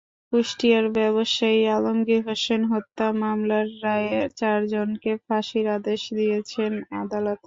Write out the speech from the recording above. কুষ্টিয়ায় ব্যবসায়ী আলমগীর হোসেন হত্যা মামলার রায়ে চারজনকে ফাঁসির আদেশ দিয়েছেন আদালত।